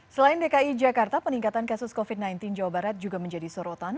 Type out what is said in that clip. selain dki jakarta peningkatan kasus covid sembilan belas jawa barat juga menjadi sorotan